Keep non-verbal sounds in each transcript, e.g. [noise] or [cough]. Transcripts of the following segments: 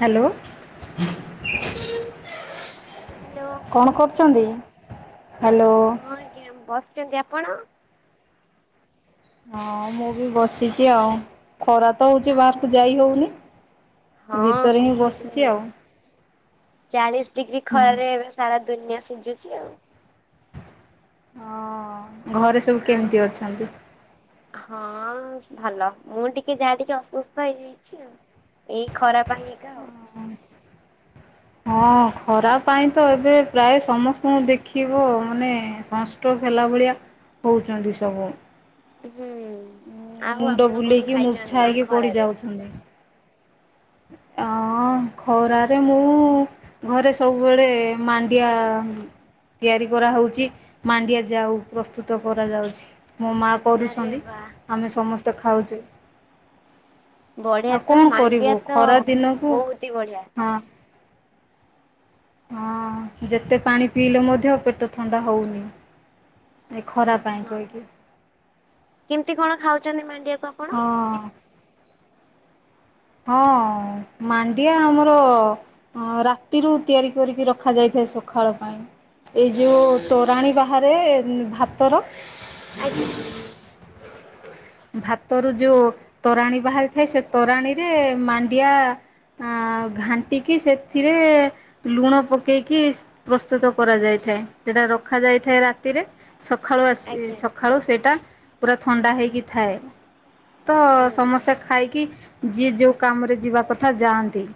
Hello hello କଣ କରୁଚନ୍ତି? Hello. ହଁ ଆଜ୍ଞା ବସିଚନ୍ତି। ଆପଣ? ହଁ ମୁଁ ବି ବସିଚି ଆଉ ଖରା ତ ହଉଚି ବାହାରକୁ ଯାଇ ହଉନି। ହଁ ଭିତରେ ହିଁ ବସିଚି କୁହନ୍ତୁନି ଆଉ। ଚାଳିଶ ଡିଗ୍ରୀ ହଁ ଖରାରେ ଏବେ ସାରା ଦୁନିଆ ସିଜୁଚି ଆଉ। ହଁ। ଘରେ ସବୁ ଆଉ କେମିତି ଅଛନ୍ତି? ହଁ ଭଲ ମୁଁ ଟିକେ ଯାହା ଟିକେ ଅସୁସ୍ଥ ହେଇଯାଇଚି ଆଉ। ଏଇ ଖରା ପାଇଁ ଏକା ଆଉ। ହଁ ଖରା ପାଇଁ ତ ଏବେ ପ୍ରାୟ ସମସ୍ତଙ୍କୁ ଦେଖିବ ମାନେ ସଂ ଷ୍ଟ୍ରୋଗ ହେଲା ଭଳିଆ ହଉଚନ୍ତି ସବୁ। ହୁଁ। ଆଉ ମୁଣ୍ଡ ଆପଣ କଣ ବୁଲେଇକି ମୂର୍ଚ୍ଛା ଖାଇଚନ୍ତି ଏଇ ହେଇକି ଖରାରେ? [unintelligible] ଅଁ ଖରାରେ ମୁଁ ଘରେ ସବୁବେଳେ ମାଣ୍ଡିଆ ତିଆରି କରାହୋଉଚି ମାଣ୍ଡିଆ ଯାଉ ପ୍ରସ୍ତୁତ କରାଯାଉଚି। ମୋ ମା ଆରେ କରୁଛନ୍ତି ବା ଆମେ ସମସ୍ତେ ଖାଉଚୁ। ବଢଆ ତ। ମଣ୍ଡିଆ ଖରା ଦିନକୁ ହଁ ହଁ ଯେତେ ପାଣି ପିଇଲେ ମଧ୍ୟ ପେଟ ଥଣ୍ଡା ହଉନି। ଏ ଖରା ଅ ପାଇଁ ହଁ କହିକି। କେମିତି କଣ ଖାଉଛନ୍ତି ମାଣ୍ଡିଆକୁ ଆପଣ? ହଁ। ହଁ ମାଣ୍ଡିଆ ଆମର ଅ ରାତିରୁ ତିଆରି କରିକି ରଖାଯାଇଥାଏ ସଖାଳ ପାଇଁ ଏଇ ଯେଉଁ ତୋରାଣୀ ବାହାରେ ଭାତର ଆଜ୍ଞା। ଭାତରୁ ଯୋଉ ତୋରାଣୀ ବାହାରିଥାଏ ସେ ତୋରାଣୀରେ ମାଣ୍ଡିଆ ଆ ଘାଣ୍ଟିକି ସେଥିରେ ଲୁଣ ପକେଇକି ପ୍ରସ୍ତୁତ କରାଯାଇଥାଏ। ସେଟା ରଖାଯାଇଥାଏ ରାତିରେ ସଖାଳୁ ଆସି ଆଜ୍ଞା ସଖାଳୁ ସେଇଟା ପୁରା ଥଣ୍ଡା ହୋଇକି ଥାଏ। ତ ଆଚ୍ଛା। ସମସ୍ତେ ଖାଇକି ଯିଏ ଯୋଉ କାମରେ ଯିବା କଥା ଯାଆନ୍ତି।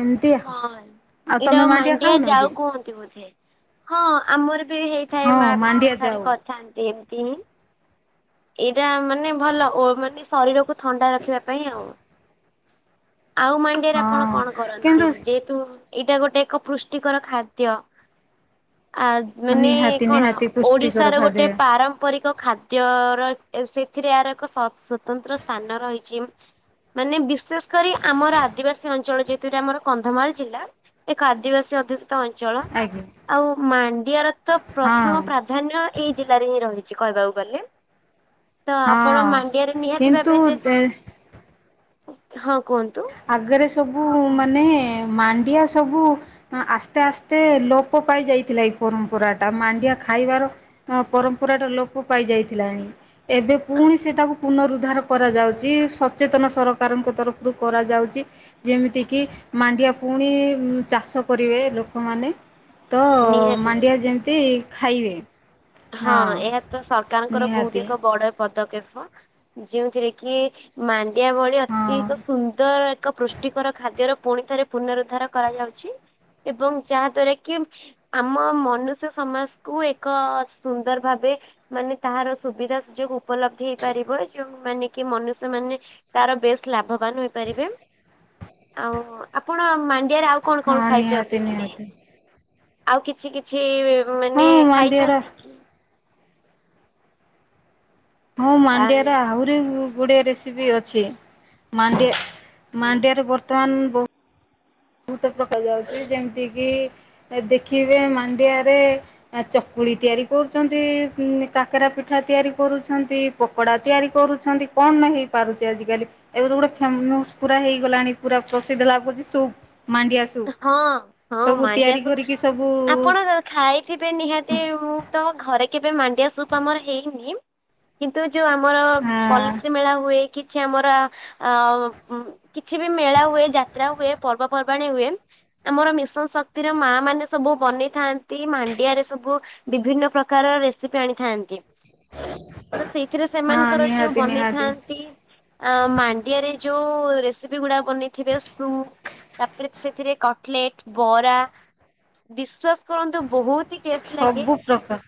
ଏମିତି ହଁ ଏଇଟା ତମେ ଆଉ ମାଣ୍ଡିଆ ଖାଉନ କି? ଯାଉ କୁହନ୍ତି ବୋଧେ ହଁ ଆମର ବି ହେଇ ଥାଏ ହଁ ମା ବି ମାଣ୍ଡିଆ ଥରେ ଥରେ ଯାଉ କରିଥାନ୍ତି ଏମିତି ହିଁ। ଏଇଟା ମାନେ ଭଲ ଓ ମାନେ ଶରୀରକୁ ଥଣ୍ଡା ରଖିବା ପାଇଁ ଆଉ। ଆଉ ମାଣ୍ଡିଆରେ ଆପଣ ହଁ କଣ କରନ୍ତି କିନ୍ତୁ ଯେହେତୁ ଏଇଟା ଗୋଟେ ଏକ ପୃଷ୍ଟିକର ଖାଦ୍ୟ ଆ ମାନେ ନିହାତି କଣ ନିହାତି ପୁଷ୍ଟିକର ଓଡିଶାର ଗୋଟେ ଖାଦ୍ୟ ପାରମ୍ ପମ୍ପରିକ ଖାଦ୍ୟର ସେଥିରେ ଆହାର ଏକ ସ୍ଵତନ୍ତ୍ର ସ୍ଥାନ ରହିଛି। ମାନେ ବିଶେଷ କରି ଆମର ଆଦିବାସୀ ଅଞ୍ଚଳ ଯେହେତୁରେ ଆମର କନ୍ଧମାଳ ଜିଲ୍ଲା ଏକ ଆଦିବାସୀ ଅଧ ତ ଅଞ୍ଚଳ ଆଜ୍ଞା ଆଉ ମାଣ୍ଡିଆର ତ ହଁ। ପ୍ରଥମ ପ୍ରା ଧାନ୍ୟ ଏଇ ଜିଲ୍ଲାରେ ହିଁ ରହିଛି କହିବାକୁ ଗଲେ। ତ ଆପଣ ହଁ ମାଣ୍ଡିଆରେ ନିହାତି କିନ୍ତୁ ଭାବେ ଯେ ଦେ ହଁ କୁହନ୍ତୁ। ଆଗରେ ସବୁ ମାନେ ମାଣ୍ଡିଆ ସବୁ ଆସ୍ତେ ଆସ୍ତେ ଲୋପ ପାଇ ଯାଇଥିଲା ଏଇ ପରମ୍ପରା ଟା ମାଣ୍ଡିଆ ଖାଇବାର ହଁ ପରମ୍ପରା ଟା ଲୋପ ପାଇ ଯାଇଥିଲାଣି। ଏବେ ପୁଣି ସେଟାକୁ ପୁନରୁଦ୍ଧାର କରାଯାଉଛି ସଚେତନ ସରକାରଙ୍କ ତର ରୁ କରାଯାଉଛି ଯେମିତି କିି ମାଣ୍ଡିଆ ପୁଣି ଚାଷ କରିବେ ଲୋକମାନେ। ତ ନିହାତି ମାଣ୍ଡିଆ ଭାବେ। ଯେମିତି ଖାଇବେ। ହଁ ଏହା ତ ସରକାରଙ୍କର ବହୁତ ନିହାତି। ଏକ ବଡ ପଦକ୍ଷେପ ଯେଉଁ ଥିରେ କି ମାଣ୍ଡିଆ ଭଳି ହଁ ଅତି ସୁନ୍ଦର ଏକ ପୁଷ୍ଟିକର ଖାଦ୍ୟର ପୁଣି ଥରେ ପୁନରୁଦ୍ଧାର କରାଯାଉଛି। ଏବଂ ଯାହା ଦ୍ଵାରା କି ଆମ ମନୁଷ୍ୟ ସମାଜକୁୁ ଏକ ସୁନ୍ଦର ଭାବେ ମାନେ ତାହାର ସୁବିଧା ସୁଯୋଗ ଉପଲବ୍ଧ ହେଇପାରିବ ଯଉ ମାନେ କି ମନୁଷ୍ୟ ମାନେ ତାର ବେଶ ଲାଭବାନ ହେଇପାରିବେ ଆଉ ଆପଣ ମାଣ୍ଡିଆରେ ଆଉ କଣ କଣ ହଁ ନିହାତି ଖାଇଛନ୍ତି ମାନେ ନିହାତି। ଆଉ କିଛି କିଛି ମାନେ ହଁ ମାଣ୍ଡିଆର ଖାଇଛନ୍ତି କି? ମୁଁ ଆ ମାଣ୍ଡିଆରେ ଆହୁ ରି ଗୁଡ଼ିଏ ରେସିପି ଅଛି ମାଡିଆ ମାଣ୍ଡିଆରେ ବର୍ତ୍ତମାନ ବ ବହୁତ ପ୍ରକାର ଯାଉଛି ଯେମିତିକି ଦେଖିବେ ମାଣ୍ଡିଆରେ ଚକୁଳି ତିଆରି କରୁଛନ୍ତି କାକରା ପିଠା ତିଆରି କରୁଛନ୍ତି। ପକୋଡ଼ା ତିଆରି କରୁଛନ୍ତି କଣ ନ ହେଇପାରୁଛି ଆଜିକାଲି। ଏବେ ତ ଗୋଟେ ଫେମସ୍ ପୁରା ହେଇଗଲାଣି ପୁରା ପ୍ରସିଦ୍ଧ ଲାଭଛି ସୁପ୍ ମାଣ୍ଡିଆ ସୁପ୍ ହଁ ହଁ ସବୁ ମାଣ୍ଡିଆ ତିଆରି ସୁପ୍ କରିକି ସବୁ ଆପଣ ଖାଇଥିବେ ନିହାତି ମୁଁ ତ ଘରେ କେବେ ମାଣ୍ଡିଆ ସୁପ ଆମର ହେଇନି। କିନ୍ତୁ ଯୋଉ ଆମର ହଁ ପଲିସ୍ରୀ ମେଳା ହୁଏ। କିଛି ଆମର ଅ କିଛି ବି ମେଳା ହୁଏ ଯାତ୍ରା ହୁଏ ପର୍ବପର୍ବାଣୀ ହୁଏ। ଆମର ମିଶନ ଶକ୍ତିର ମା ମାନେ ସବୁ ବନେଇଥାନ୍ତି ମାଣ୍ଡିଆ ରେ ସବୁ ବିଭିନ୍ନ ପ୍ରକାର ରେସିପି ଆଣିଥାନ୍ତି। ତ ସେଇଥିରେ ହଁ ସେମାନଙ୍କର ଯୋଉ ନିହାତି ନିହାତି ବନେଇଥାନ୍ତି ଆ ମାଣ୍ଡିଆରେ ଯୋଉ ରେସିପି ଗୁଡା ବନେଇଥିବେ ସୁପ ତାପରେ ସେଥିରେ କଟଲେଟ ବରା ବିଶ୍ଵାସ କରନ୍ତୁ ବହୁତ ଟେଷ୍ଟ ଲାଗେ ସବୁ ପ୍ରକାର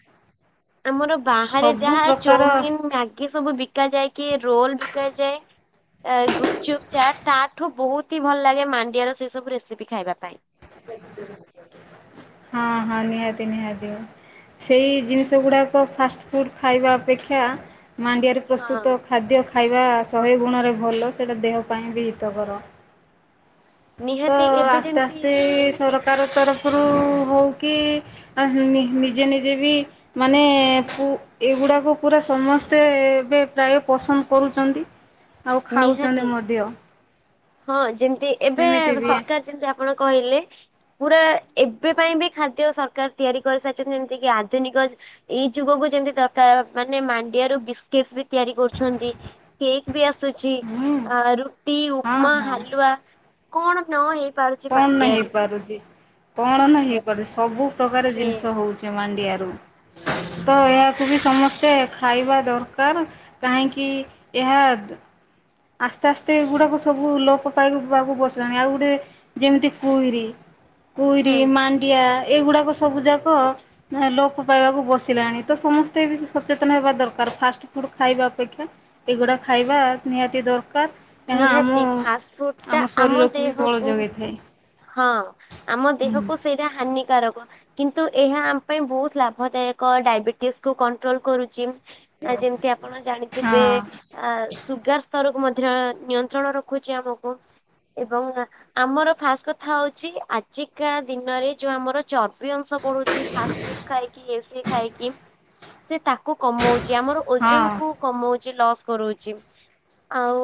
ଆମର ବାହାରେ ସବୁ ଯାହା ପ୍ରକାର ଚଉମିନ ମ୍ୟା କିଏ ସବୁ ବିକା ଯାଏ କି ରୋଲ ବିକା ଯାଏ। ଗୁପଚୁପ ଚାଟ ତାଠୁ ବହୁତ ହି ଭଲ ଲାଗେ ମାଣ୍ଡିଆର ସେ ସବୁ ରେସିପି ଖାଇବା ପାଇଁ। ହଁ ହଁ ନିହାତି ନିହାତି। ସେଇ ଜିନିଷ ଗୁଡ଼ାକ ଫାଷ୍ଟଫୁଡ଼୍ ଖାଇବା ଅପେକ୍ଷା ମାଣ୍ଡିଆରେ ପ୍ରସ୍ତୁତ ହଁ ଖାଦ୍ୟ ଖାଇବା ଶହେ ଗୁଣରେ ଭଲ ସେଇଟା ଦେହ ପାଇଁ ବି ହିତକର। ତ ନିହାତି ଏବେ ଆସ୍ତେ ଯେମିତି ଆସ୍ତେ ସରକାର ତରଫରୁ ହେଉ କିି ଆ ନିଜେ ନିଜେ ବି ମାନେ କୁ ଏଗୁଡ଼ାକୁ ପୁରା ସମସ୍ତେ ଏବେ ପ୍ରାୟ ପସନ୍ଦ କରୁଛନ୍ତି। ହ ଆଉ ଖାଉଛନ୍ତି ମଧ୍ୟ। ହଁ ଯେମତି ଏବେ ସେମିତି ବି ସରକାର ଯେମିତି ଆପଣ କହିଲେ ପୁରା ଏବେ ପାଇଁ ବି ଖାଦ୍ୟ ସରକାର ତିଆରି କରିସାରିଛନ୍ତି ଯେମିତି କି ଆଧୁନିକ ଏଇ ଯୁଗକୁୁ ଯେମିତି ଦରକାର ମାନେ ମାଣ୍ଡିଆରୁ ବିସ୍ କେଶ୍ ବି ତିଆରି କରୁଛନ୍ତି କେକ୍ ବି ଆସୁଛି ହୁଁ ଆ ରୁଟି ଉ ହଁ ହଁ। ବା କଣ ନ ହେଇ ପାରୁଛି କନ ହେଇ ମାଣ୍ଡିଆରୁ ପାରୁଛି? କଣ ନ ହେଇପାରୁଚି ସବୁ ପ୍ରକାର ସେ ଜିନିଷ ହଉଛି ମାଣ୍ଡିଆରୁ। ତ ହଁ ଏହାକୁ ବି ସମସ୍ତେ ଖାଇବା ଦରକାର କାହିଁକି ଏହା ଆସ୍ତେ ଆସ୍ତେ ଏଗୁଡ଼ାକ ସବୁ ଲୋପ ପାଇକ ବାକୁ ବସିଲାଣି ଆଉ ଗୋଟେ ଯେମିତି କୁଇରି କୁଇରି ହୁଁ। ମାଣ୍ଡିଆ ଏଇଗୁଡାକ ସବୁ ଯାକ ଲୋପ ପାଇବାକୁ ବସିଲାଣି ତ ସମସ୍ତେ ବି ସଚେତନ ହେବା ଦରକାର ଫାଷ୍ଟ ଫୁଡ୍ ଖାଇବା ଅପେକ୍ଷା ଏଗୁଡା ଖାଇବା ନିହାତି ଦରକାର। ଏହା ଆମ ନିହାତି ଫାଷ୍ଟ ଫୁଡ ଟା ଆମ ଶରୀରକୁ ବି ବଳ ଦେହକୁ ଯୋଗାଇଥାଏ। ହଁ ଆମ ଦେହକୁ ସେଇଟା ହାନିକାରକ। କିନ୍ତୁ ଏହା ଆମ ପାଇଁ ବହୁତ ଲାଭଦାୟକ ଡାଇବେଟିସକୁୁ କଣ୍ଟ୍ରୋଲ କରୁଛି। ଆ ଯେମିତି ଆପଣ ଜାଣିଥିବେ ହଁ ଆ ସୁଗାର ସ୍ତରକୁ ମଧ୍ୟ ନିୟନ୍ତ୍ରଣ ରଖୁଛି ଆମକୁ। ଏବଂ ଆମର ଫାଷ୍ଟ କଥା ହଉଛି ଆଜିକା ଦିନରେ ଯୋଉ ଆମର ଚର୍ ବି ଅଂଶ ବଢୁଛି ଫାଷ୍ଟ ଫୁଡ ଖାଇକି ଏସି ଖାଇକି ସେ ତାକୁ କମଉଛି ଆମର ଓଜନ ହଁ କୁ କମଉଛି ଲସ୍ କରଉଛି ଆଉ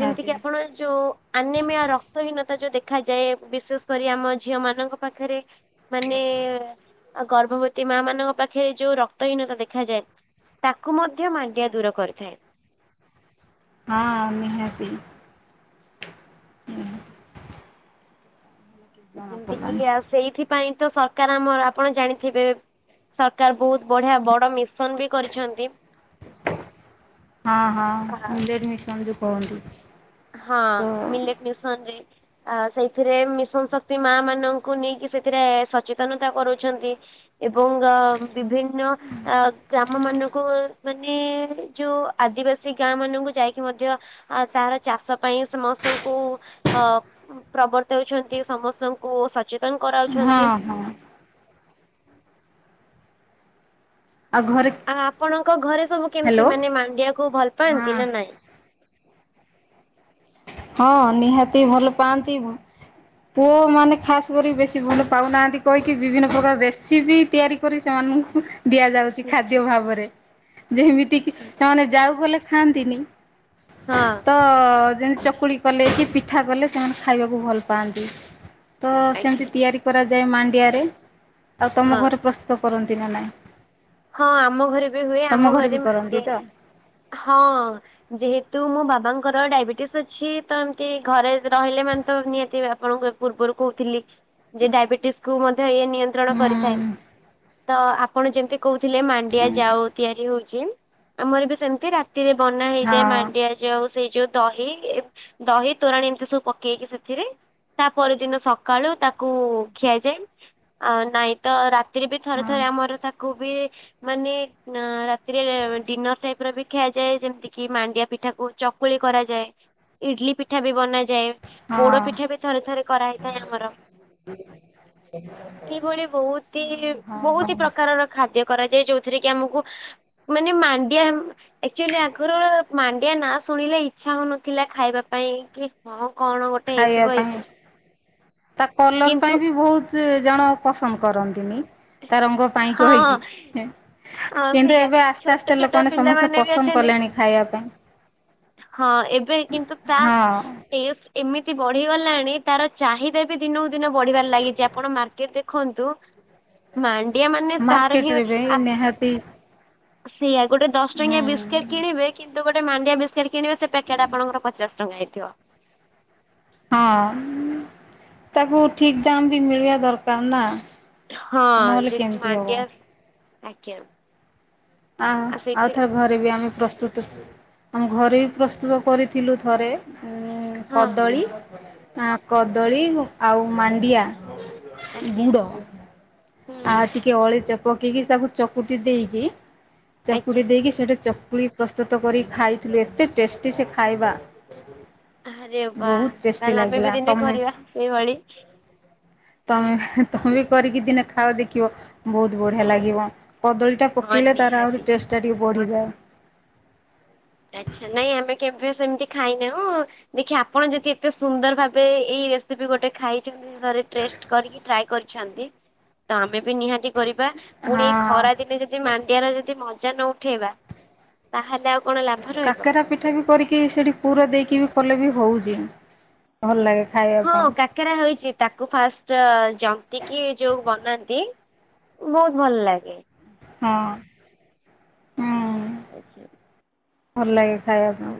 ଯେମିତି କିି ଆପଣ ଯୋଉ ଆନିମିଆ ରକ୍ତହୀନତା ଯୋଉ ଦେ ଦେଖାଯାଏ ବିଶେଷ କରି ଆମ ଝିଅ ମାନଙ୍କ ପାଖରେ ମାନେ ଆଉ ଗର୍ଭବତୀ ମା ମାନଙ୍କ ପାଖରେ ଯୋଉ ରକ୍ତହୀନତା ଦେଖାଯାଏ। ତାକୁ ମଧ୍ୟ ମାଣ୍ଡିଆ ଦୂର କରିଥାଏ। ହଁ ନିହାତି। ହୁଁ। ଯେମିତି କିି ଆଉ ସେଇଥିପାଇଁ ତ ସରକାର ଆମର ଆପଣ ଜାଣିଥିବେ ସରକାର ବହୁତ ବଢିଆ ବଡ ମିଶନ ବି କରିଛନ୍ତି। ହଁ ହଁ ଆ ମିଲେରି ମିସନ୍ ଯୁ କହନ୍ତି। ହଁ ତ ମିଲେଟ ମିଶନ ରେ ଆ ସେଇଥିରେ ମିଶନ ଶକ୍ତି ମା ମାନଙ୍କୁ ନେଇକି ସେଥିରେ ସଚେତନତା କରୁଛନ୍ତି। ଏବଂ ବିଭିନ୍ନ ଗ୍ରା ଆମ ମାନଙ୍କୁ ମାନେ ଯୋଉ ଆଦିବାସୀ ଗାଁ ମାନଙ୍କୁ ଯାଇକି ମଧ୍ୟ ତାର ଚାଷ ପାଇଁ ସମସ୍ତଙ୍କୁ ଅ ପ୍ରବର୍ତ୍ତଉଛନ୍ତି ସମସ୍ତଙ୍କୁ ସଚେତ ତାଙ୍କୁ ହଁ କରାଉଛନ୍ତି। ହଁ ଆଉ ଘରେ ଆଉ ଆପଣଙ୍କ ଘରେ ସବୁ କେମିତି ହ୍ୟାଲୋ ମାନେ ମାଣ୍ଡିଆକୁ ଭଲ ହଁ ପାଆନ୍ତି ନା ନାଇଁ? ହଁ ନିହାତି ଭଲ ପାଆନ୍ତି। ପୁଅ ମାନେ ଖାସେ କରିକି ବେଶୀ ଭଲ ପାଉନାହାନ୍ତି କହିକି ବିଭିନ୍ନ ପ୍ରକାର ବେସିି ବିି ତିଆରି କରି ସେମାନଙ୍କୁ ଦିଆଯାଉଚି। ଖାଦ ଭାବରେ ଯେମିତିକି ସେମାନେ ଯାଉ ଗଲେ ଖାଆନ୍ତିନି। ହଁ। ତ ଯେମିତି ଚକୁଳି କଲେ କି ପିଠା କଲେ ସେମାନେ ଖାଇବାକୁ ଭଲ ପାଆନ୍ତି। ତ ଆଜ୍ଞା ସେମିତି ତିଆରି କରାଯାଏ ମାଣ୍ଡିଆରେ ଆଉ ହଁ ତମ ଘରେ ପ୍ରସ୍ତୁତ କରନ୍ତି ନା ନାହିଁ? ହଁ ଆମ ଘରେ ବି ହୁଏ ଆମ ଘରେ ବି କରନ୍ତି ତ ମାଣ୍ଡିଆରେ ହଁ। ଯେହେତୁ ମୋ ବାବାଙ୍କର ଡାଇବେଟିସ୍ ଅଛି ତ ଏମିତି ଘରେ ରହିଲେ ମାନେ ତ ନିହାତି ବାପାଙ୍କୁକ ପୂର୍ବରୁ କହୁଥିଲି। ଯେ ଡାଇବେଟିସ୍ ମଧ୍ୟ ଇ ନିୟନ୍ତ୍ରଣ ହୁଁ କରିଥାଏ ହଁ। ତ ଆପଣ ଯେମତି ଥିଲେ ମାଣ୍ଡିଆ ଯାଉ ତିଆରି ହୋଉଛି ଆମର ବି ସେମିତି ରାତିରେ ବନା ହେଇଯାଏ ହଁ ମାଣ୍ଡିଆ। ଯେଉ ସେଇ ଯୋଉ ଦହି ଦହି ତୋରାଣି ଏମିତି ସବୁ ପକେଇକି ସେଥିରେ। ତା ପରଦିନ ସକାଳୁ ତାକୁ ଖିଆଯାଏ। ଆ ନାଇ ତ ରାତିରେ ବି ଥରେ ହଁ ଥରେ ଆମର ତାକୁ ବି ମାନେ ନ ରାତିରେ ଡିନର ଟାଇପି ର ବି ଖିଆଯାଏ ଯେମିତି କି ମାଣ୍ଡିଆ ପିଠା କୁ ଚକୁଳି କରାଯାଏ ଇଟିଲି ପିଠା ବି ବନାଯାଏ। ପୋଡ ପିଠା ବି ଥରେ ଥରେ କରାହେଇଥାଏ ଆମର। [inaudible] ଏଇଭଳି ବୋହୁତି ହଁ ହଁ ବୋହୁତି ପ୍ରକାରର। ଖାଦ୍ୟ କରାଯାଏ ଯୋଉଥିରେ କି ଆମକୁ ମାନେ ମାଣ୍ଡିଆ। ଆକ୍ଚୁଆଲି ଆଗରୁ ମାଣ୍ଡିଆ ନା ଶୁଣିଲେ ଇଛା ହୋଉନଥିଲା ଖାଇବା ପାଇଁ କି। ହଁ କଣ ଗୋଟେ ଖାଇବା ହେଇଥିବ ପାଇଁ ଏଇସେ। ତା କଲର ପାଇଁ ବି ବହୁତୁ ଜଣ ପସନ୍ଦ କରନ୍ତିନେହିଁ ତା ରଙ୍ଗ। ପାଇଁ ହଁ କହିଚି। ହଁ କିନ୍ତୁଏ ସେଇଆ ଏବେ ଆସ୍ତେ ଛୋଟ ଆସ୍ତେ ଛୋଟ ଲୋକମାନେ ସମସ୍ତେ ପିଲାମାନେ ବି ପସନ୍ଦ ଅଛନ୍ତି କଲେଣି ଖାଇବା ପାଇଁ। ହଁ ଏବେ କିନ୍ତୁ ତା ହଁ ଟେଷ୍ଟ ଏମିତି ବଢିଗଲାଣି ତାର ଚାହିଦା ବି ଦିନକୁ ଦିନ ବଢିବାରେ ଲାଗିଚି ଆପଣ ମାର୍କେଟ ଦେ ଦେଖନ୍ତୁ ମାଣ୍ଡିଆ ମାନେ ତାର ହିଁ ମାର୍କେଟରେ ବି ଆ ନିହାତି ସେଇୟା ଗୋଟେ ଦଶ ହୁଁ ଟଙ୍କିଆ ବିସ୍କିଟ୍ କିଣିବେ କିନ୍ତୁ ଗୋଟେ ମାଣ୍ଡିଆ ବିସ୍ କିଣିବେ ସେ ପ୍ୟାକେଟ୍ ଆପଣଙ୍କର ପଚାଶ ଟଙ୍କା ହେଇଥିବ। ହଁ ତାକୁ ଠିକ୍ ଦାମେ ବି ମିଳିବା ଦରକାର ନା। ହଁ ନହେଲେ ଯେ କେମିତି ହେବ ମଡିଆ ଆଜ୍ଞା। ଆଉ ଆଉ ଥରେ ଘର। ଏବେବି ଆମେ ପ୍ରସ୍ତୁତୁ ଆମେ ଘରେ ବି ପ୍ରସ୍ତୁତ କରିଥିଲୁ ଥରେ। ହଁ କଦଳୀ ଆଁ କଦଳୀ ଆଉ ମାଣ୍ଡିଆ। ଆଜ୍ଞା ବୁଡ଼। ହୁଁ ଆଉ ଟିକେ ଅଳେଇଚ ପକେଇକି ତାକୁ ଚକୁଟି ଦେଇକି ଆଜ୍ଞା ଚକୁଟି ଦେଇକି ସେଠି ଚକୁଳି ପ୍ରସ୍ତୁତ କରିକି ଖାଇଥିଲୁ ଏତେ ଟେଷ୍ଟି ସେ ଖାଇବା। ଆରେ ବା ବହୁତ ଟେଷ୍ଟି ତାହେଲେ ଆମେ ଲାଗିଲା ବି ଦିନେ ତମେ କରିବା ଏଇଭଳି। ତମେ ତମେ ବି କରିକି ଦିନେ ଖାଅ ଦେଖିବ ବହୁତୁ ବଢିଆ ଲାଗିବ କଦଳୀ। ସେଇଟା ହଁ ପକେଇଲେ ତାର ଆହୁରି ନିହାତି ଟେଷ୍ଟା ଟିକିଏ ବଢିଯାଏ। ଆଚ୍ଛା ନାଇଁ ଆମେ କେବେ ସେମିତି ଖାଇନାଉ। ଦେଖି ଆପଣ ଯଦି ଏତେ ସୁନ୍ଦର ଭାବେ ଏଇ ରେସିପି ଗୋଟେ ଖାଇଛନ୍ତି। ଥରେ ଟେଷ୍ଟ କରିକି ଟ୍ରାଏ କରିଛନ୍ତି ତ ଆମେ ବି ନିହାତି କରିବା। ପୁଣି ହଁ। ଖରା ଦିନେ ଯଦି ମାଣ୍ଡିଆର ଯଦି ମଜା ନ ଉଠେଇବା ତାହେଲେ ଆଉ କଣ ଲାଭ ରହିବ। କାକରା ପିଠା ବି କରିକି ସେଠି ପୁର ଦେଇକି ବି କଲେ ବି ହଉଛି। ଭଲ ଲାଗେ ଖାଇବା ପାଇଁ। କେରା ହେଇଛି ତାକୁ ଫାଷ୍ଟ ଜନ୍ତି କିି ଯୋଉ ବନାନ୍ତି ବହୁତ ଭଲ ଲାଗେ। ହଁ ହୁଁ। ଆଚ୍ଛା। ଭଲ ଲାଗେ ଖାଇବା ପାଇଁ।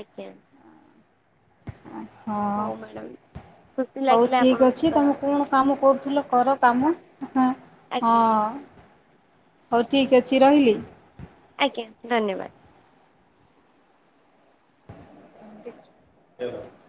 ଆଜ୍ଞା। ଓ ହଁ ହଉ ମ୍ୟାଡ଼ାମ ଖୁସି ହଉ ଲାଗିଲା ଠିକ ଆପଣଙ୍କ ଅଛି ସହିତ ତମେ କଣ କାମ କରୁଥିଲ କର କାମ ହଁ। ଆଜ୍ଞା ହଉ ଠିକ ଅଛି ରହିଲି। ଆଜ୍ଞା ଧନ୍ୟବାଦ। [inaudible]